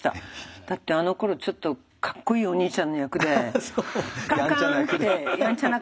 だってあのころちょっとかっこいいおにいちゃんの役でカンカンってやんちゃなカンカンって。